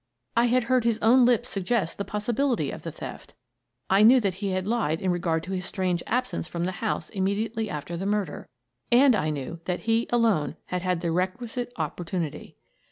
I had heard his own lips suggest the possibility of the theft I knew that he had lied in regard to his strange absence from the house immediately after the murder. And I knew that he alone had had the requisite opportunity.